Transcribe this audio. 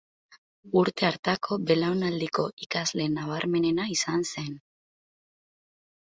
Urte hartako belaunaldiko ikasle nabarmenena izan zen.